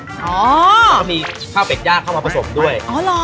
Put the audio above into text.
แล้วก็มีข้าวเป็ดย่างเข้ามาผสมด้วย